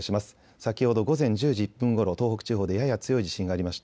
先ほど午前１０時１分ごろ東北地方でやや強い地震がありました。